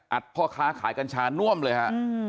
พ่อค้าขายกัญชาน่วมเลยฮะ